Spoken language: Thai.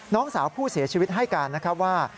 น้องสาวผู้เสียชีวิตให้การนะครับว่า